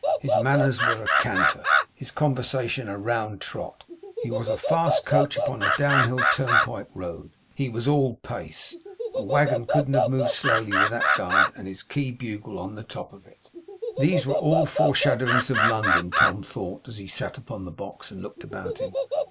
His manners were a canter; his conversation a round trot. He was a fast coach upon a down hill turnpike road; he was all pace. A waggon couldn't have moved slowly, with that guard and his key bugle on the top of it. These were all foreshadowings of London, Tom thought, as he sat upon the box, and looked about him.